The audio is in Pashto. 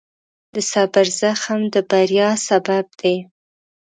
د صبر زغم د بریا سبب دی.